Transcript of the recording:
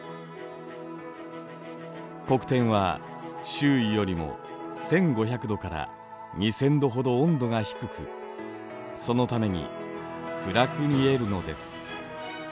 黒点は周囲よりも１，５００度から２，０００度ほど温度が低くそのために暗く見えるのです。